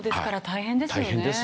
大変ですよね。